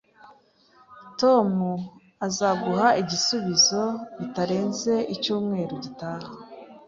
Tom azaguha igisubizo bitarenze icyumweru gitaha